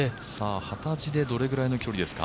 幡地でどれぐらいの距離ですか。